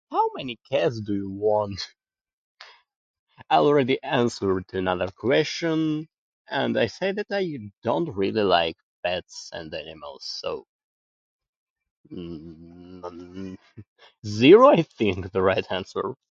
How many cats do you want? I already answered in other question, and I said that I don't really like cats and animals, so... Zero, I think, the right answer.